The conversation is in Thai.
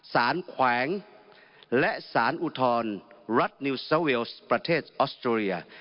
สารแขวงและสารอุทรรัฐนิวเซอร์เวียลประเทศออสโตรียา